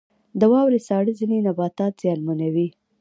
• د واورې ساړه ځینې نباتات زیانمنوي.